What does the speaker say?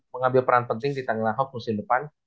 mengambil peran penting di tanggerang hawks musim depan